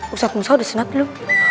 ustadz musaw udah sunat dulu